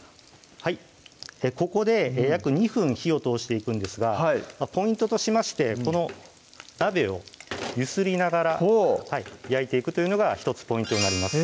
ここで約２分火を通していくんですがポイントとしましてこの鍋を揺すりながら焼いていくというのが１つポイントになります